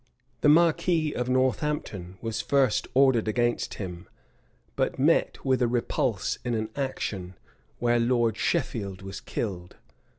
The marquis of Northampton was first ordered against him; but met with a repulse in an action, where Lord Sheffield was killed.